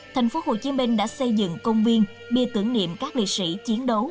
thành phố hồ chí minh đã xây dựng công viên bia tưởng niệm các liệt sĩ chiến đấu